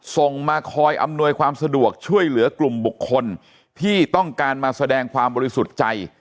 ส่งมาคอยอำนวยความสะดวกช่วยเหลือกลุ่มบุคคลที่ต้องการมาแสดงความบริสุทธิ์ใจ